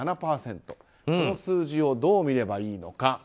この数字をどう見ればいいのか。